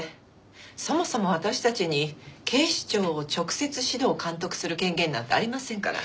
そもそも私たちに警視庁を直接指導監督する権限なんてありませんから。